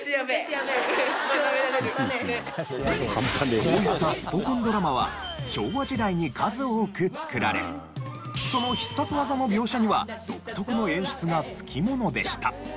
こういったスポ根ドラマは昭和時代に数多く作られその必殺技の描写には独特の演出がつきものでした。